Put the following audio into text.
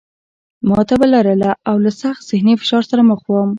ما تبه لرله او له سخت ذهني فشار سره مخ وم